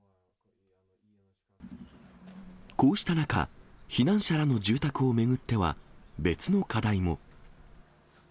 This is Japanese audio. こうした中、避難者らの住宅を巡っては、別の課題も。